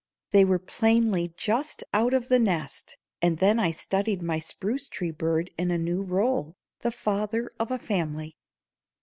They were plainly just out of the nest, and then I studied my spruce tree bird in a new role, the father of a family.